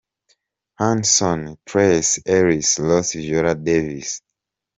Henson Tracee Ellis Ross Viola Davis.